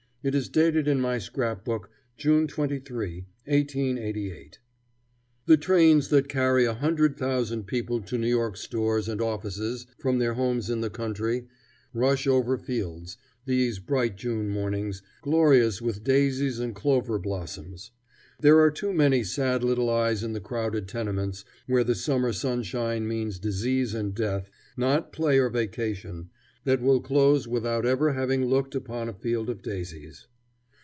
It is dated in my scrap book June 23, 1888: "The trains that carry a hundred thousand people to New York's stores and offices from their homes in the country rush over fields, these bright June mornings, glorious with daisies and clover blossoms. There are too many sad little eyes in the crowded tenements, where the summer sunshine means disease and death, not play or vacation, that will close without ever having looked upon a field of daisies.